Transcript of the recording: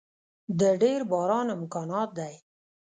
د ډیر باران امکانات دی